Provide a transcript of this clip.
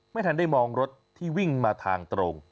ไม่ทันได้มองรถที่วิ่งมาทางตรง